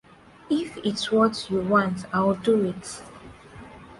If it’s what you want I’ll do it.